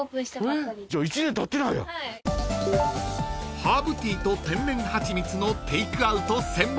［ハーブティーと天然蜂蜜のテークアウト専門］